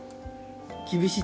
厳しい？